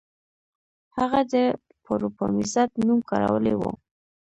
هغه د پاروپامیزاد نوم کارولی و